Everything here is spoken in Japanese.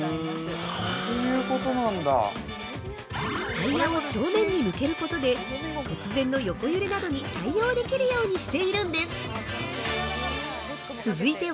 ◆タイヤを正面に向けることで突然の横揺れなどに対応できるようにしているんです。